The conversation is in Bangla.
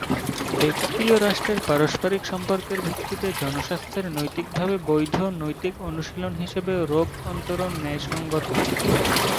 ব্যক্তি ও রাষ্ট্রের পারস্পরিক সম্পর্কের ভিত্তিতে জনস্বাস্থ্যের নৈতিকভাবে বৈধ, নৈতিক অনুশীলন হিসেবেও রোগ-অন্তরণ ন্যায়সঙ্গত।